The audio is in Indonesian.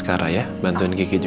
buat dibawa aja